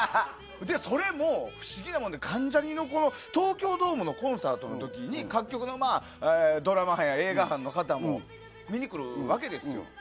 で、それも不思議なもんで、関ジャニの東京ドームのコンサートのときに、各局のドラマ班、映画班の方も見に来るわけですよ。